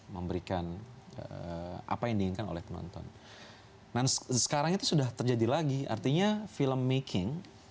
memberikan apa yang diinginkan oleh penonton dan sekarang itu sudah terjadi lagi artinya film making